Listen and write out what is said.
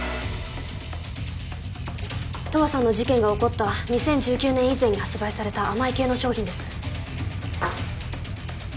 十和さんの事件が起こった２０１９年以前に発売された甘い系の商品です。